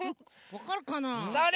わかるかなあ？